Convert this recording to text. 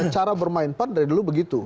cara bermain pan dari dulu begitu